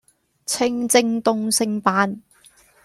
清蒸東星斑